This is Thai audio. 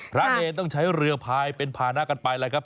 เนรต้องใช้เรือพายเป็นภานะกันไปแล้วครับ